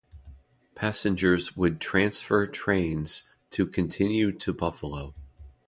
Passengers would transfer trains to continue to Buffalo.